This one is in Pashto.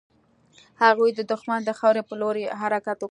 هغوی د دښمن د خاورې پر لور يې حرکت وکړ.